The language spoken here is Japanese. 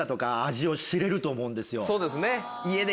そうですね。